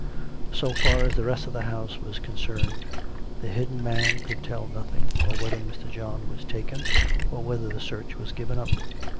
So far as the rest of the house was concerned, the hidden man could tell nothing, or whether Mr. John were taken, or whether the search were given up.